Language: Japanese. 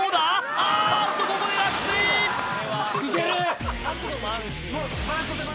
あーっとここで落水滑るー！